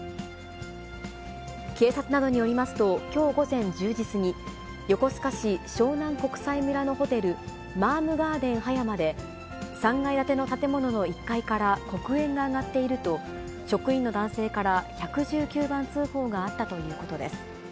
警察などによりますと、きょう午前１０時過ぎ、横須賀市湘南国際村のホテル、マームガーデン葉山で、３階建ての建物の１階から黒煙が上がっていると、職員の男性から１１９番通報があったということです。